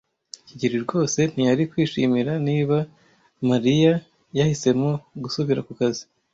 kigeli rwose ntiyari kwishimira niba Mariya yahisemo gusubira ku kazi.